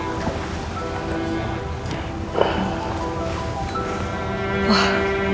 berbagai upaya nak